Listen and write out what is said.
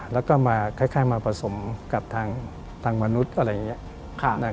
แล้วก็มาคล้ายมาผสมกับทางมนุษย์อะไรอย่างนี้